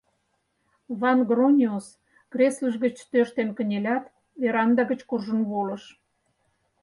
Ван-Грониус креслыж гыч тӧрштен кынелят, веранда гыч куржын волыш.